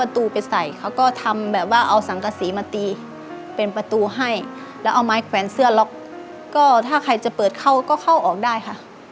ล็อกก็ถ้าใครจะเปิดเข้าก็เข้าออกได้ค่ะ